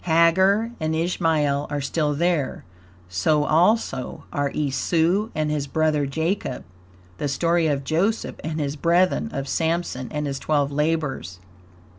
Hagar and Ishmael are still there; so also are Esau and his brother Jacob; the story of Joseph and his brethren; of Sampson and his twelve labors.